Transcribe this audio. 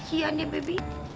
iya nih beb